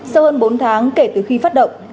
sau hơn bốn tháng kể từ khi phát động